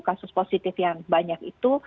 kasus positif yang banyak itu